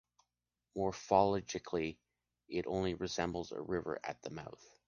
Morphologically, it only resembles a river at the mouth.